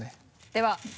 では。